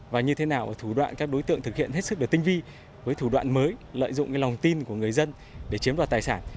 và như thế nào thủ đoạn các đối tượng thực hiện hết sức được tinh vi với thủ đoạn mới lợi dụng lòng tin của người dân để chiếm đoạt tài sản